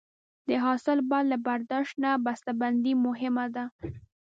د حاصل بعد له برداشت نه بسته بندي مهمه ده.